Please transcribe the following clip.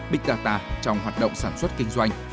bị tà tà trong hoạt động sản xuất kinh doanh